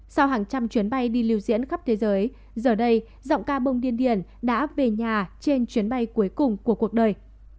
sau hàng trăm chuyến bay đi lưu diễn khắp thế giới giờ đây giọng ca bông điên điển đã về nhà trên chuyến bay cuối cùng của cuộc đời